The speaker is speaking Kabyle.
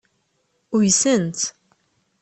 Uysent.